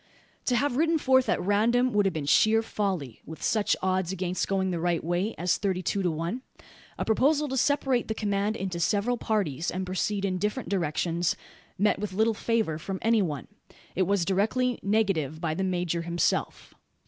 To have ridden forth at random would have been sheer folly; with such odds against going the right way, as thirty two to one. A proposal to separate the command into several parties, and proceed in different directions, met with little favour from any one. It was directly negatived by the major himself.